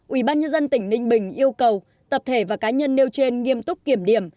ubnd tỉnh ninh bình yêu cầu tập thể và cá nhân nêu trên nghiêm túc kiểm điểm